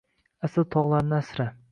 Asl tog’larni asra